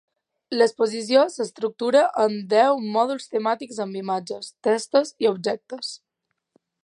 L'exposició s'estructura en deu mòduls temàtics amb imatges, textos i objectes.